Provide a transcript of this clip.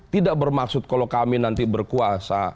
tidak bermaksud kalau kami nanti berkuasa